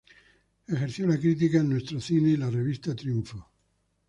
Ejerció la crítica en "Nuestro Cine" y la revista "Triunfo".